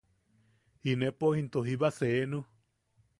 –inepo into jiba “seenu”.